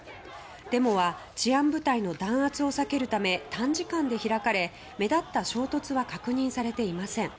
デモは治安部隊の弾圧を避けるため、短時間で開かれ目立った衝突は確認されていません。